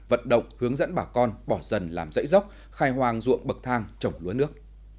vận động hướng dẫn bà con bỏ dần làm dãy dốc khai hoàng ruộng bậc thang trồng lúa nước